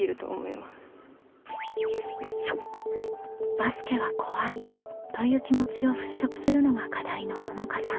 「バスケは怖い」という気持ちを払拭するのが課題のももかさん。